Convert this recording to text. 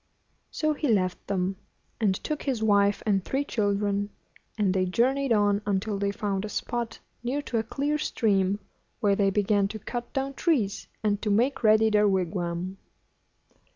So he left them, and took his wife and three children, and they journeyed on until they found a spot near to a clear stream, where they began to cut down trees, and to make ready their wigwam.